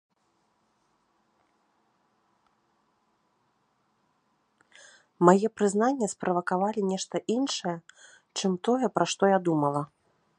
Мае прызнанні справакавалі нешта іншае, чым тое, пра што я думала.